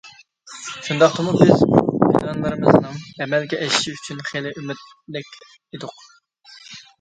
شۇنداقتىمۇ بىز بۇ پىلانلىرىمىزنىڭ ئەمەلگە ئېشىشى ئۈچۈن خېلى ئۈمىدلىك ئىدۇق.